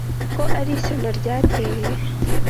ko ari ishyano ryateye